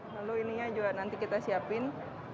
lalu ininya juga nanti kita siapin